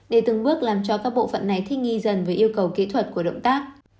để từng bước làm cho các bộ phận này thích nghi dần với yêu cầu kỹ thuật của động tác